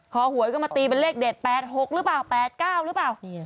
หวยก็มาตีเป็นเลขเด็ด๘๖หรือเปล่า๘๙หรือเปล่า